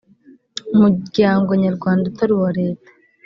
umuryango nyarwanda utari uwa leta